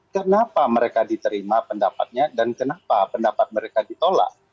kenapa mereka diterima pendapatnya dan kenapa pendapat mereka ditolak